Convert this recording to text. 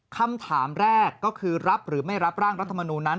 คำถามแรกก็คือรับหรือไม่รับร่างรัฐมนูลนั้น